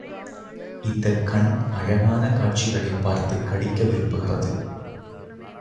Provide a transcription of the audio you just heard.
இந்தக் கண் அழகான காட்சிகளைப் பார்த்துக் களிக்க விரும்புகிறது.